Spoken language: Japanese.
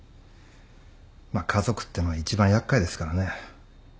まっ家族ってのは一番厄介ですからね。